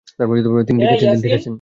তিনি ঠিক আছেন।